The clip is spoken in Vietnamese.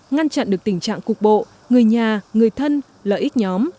ngăn chặn được tình trạng cục bộ người nhà người thân lợi ích nhóm